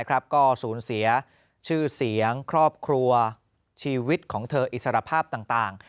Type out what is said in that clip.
ก็สูญเสียชื่อเสียงครอบครัวชีวิตของเธออิสรภาพต่าง